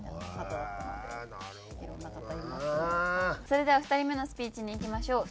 それでは２人目のスピーチにいきましょう。